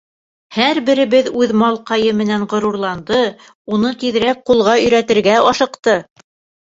Һәр беребеҙ үҙ малҡайы менән ғорурланды, уны тиҙерәк ҡулға өйрәтергә ашыҡты.